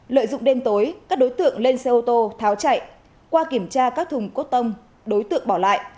lợi dụng đêm tối các đối tượng lên xe ô tô tháo chạy qua kiểm tra các thùng cốt tông đối tượng bỏ lại